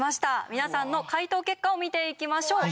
皆さんの解答結果を見ていきましょう。